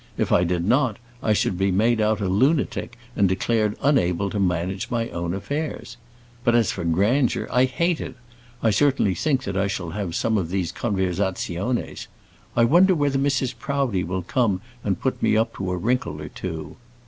If I did not, I should be made out a lunatic and declared unable to manage my own affairs. But as for grandeur, I hate it. I certainly think that I shall have some of these conversaziones. I wonder whether Mrs. Proudie will come and put me up to a wrinkle or two."